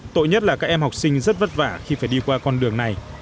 tội nhất là các em học sinh rất vất vả khi phải đi qua con đường này